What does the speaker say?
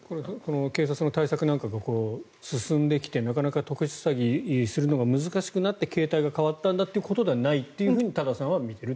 警察の対策なんかが進んできてなかなか特殊詐欺するのが難しくなって形態が変わったんだということではないというふうに多田さんは見ていると。